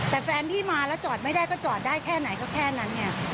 แต่แฟนพี่มาแล้วจอดไม่ได้ก็จอดได้แค่ไหนก็แค่นั้นไง